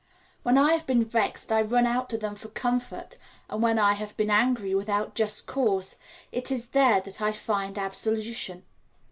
When I have been vexed I run out to them for comfort, and when I have been angry without just cause, it is there that I find absolution.